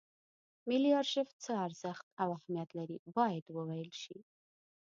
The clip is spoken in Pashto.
ملي ارشیف څه ارزښت او اهمیت لري باید وویل شي.